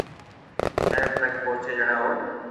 مھل تڪ پوچي جڻي او